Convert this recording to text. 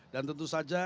dan tentu saja